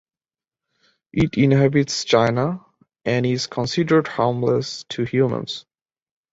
It inhabits China and is considered harmless to humans.